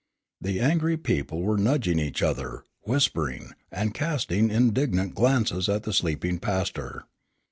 The angry people were nudging each other, whispering, and casting indignant glances at the sleeping pastor.